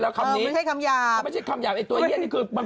ตัวมันพันกับตัวเยี้ยจังเลยจริง